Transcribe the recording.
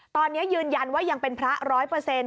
ตอนนี้ยืนยันว่ายังเป็นพระร้อยเปอร์เซ็นต